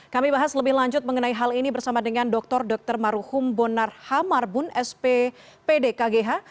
kami bahas lebih lanjut mengenai hal ini bersama dengan dr dr maruhum bonar hamar bun sp pd kgh